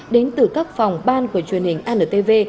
đến từ các phòng ban của truyền hình antv